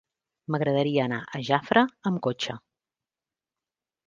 M'agradaria anar a Jafre amb cotxe.